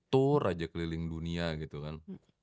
tour aja keliling dunia gitu kan